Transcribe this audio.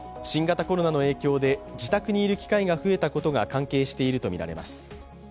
新型コロナの影響で自宅にいる機会が増えたことが関係しているとみられます。